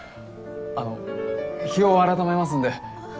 あの日を改めますんで。